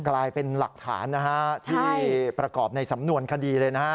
กลายเป็นหลักฐานนะฮะที่ประกอบในสำนวนคดีเลยนะฮะ